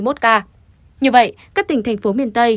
như vậy các tỉnh thành phố miền tây